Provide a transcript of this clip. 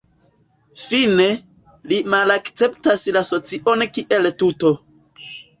Fine, li malakceptas la socion kiel tuto.